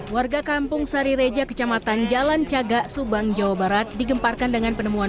warga kampung sarireja kecamatan jalan cagak subang jawa barat digemparkan dengan penemuan